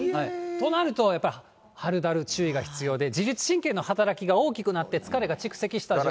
となると、やっぱり春だる注意が必要で、自律神経の働きが大きくなって、疲れが蓄積した状態。